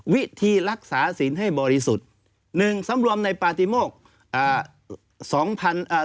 วิธีรักษาสินให้บริสุทธิ์หนึ่งสำรวมในปฏิโมกอ่าสองพันอ่า